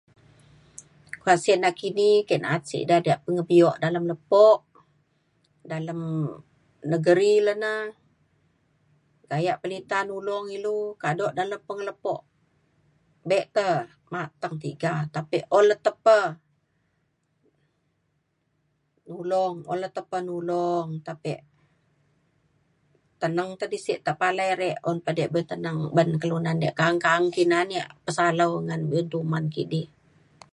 kuak sek nakidi ke na’at sik ida diak pengebio dalem lepo dalem negeri le na gayak pelita nulong ilu. kado da kak pengelepo be pa mateng tiga. tapek un le te pe tulong un le te pe nulong tapek teneng te di sek tepalai re un pa diak be teneng ban kelunan yak ka’ang ka’ang kina yak pesalau ngan be’un tuman kidi